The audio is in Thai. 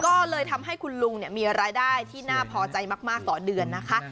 ก็เลยทำให้คุณลุงมีรายได้ที่น่าพอใจมากต่อเดือนนะคะ